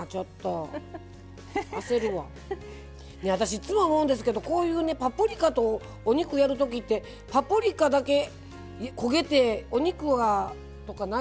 私いつも思うんですけどこういうパプリカとお肉やるときってパプリカだけ焦げてお肉はとかないですか？